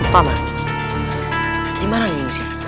pak man dimana nyingsi